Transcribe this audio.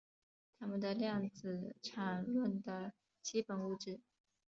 它们是量子场论的基本物质。